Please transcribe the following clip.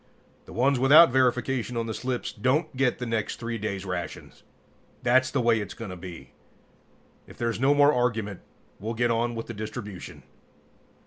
The ones without verification on the slips don't get the next 3 days' rations. That's the way it's going to be. If there's no more argument, we'll get on with the distribution.